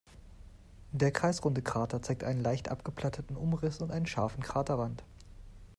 Der kreisrunde Krater zeigt einen leicht abgeplatteten Umriss und einen scharfen Kraterrand.